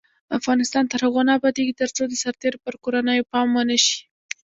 افغانستان تر هغو نه ابادیږي، ترڅو د سرتیرو پر کورنیو پام ونشي.